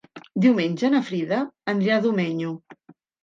Diumenge na Frida anirà a Domenyo.